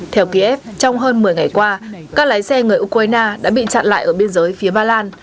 theo kiev trong hơn một mươi ngày qua các lái xe người ukraine đã bị chặn lại ở biên giới phía ba lan